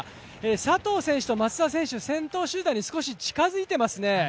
佐藤選手と松田選手、先頭集団にちょっと近づいていますね。